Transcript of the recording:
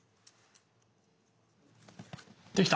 できた！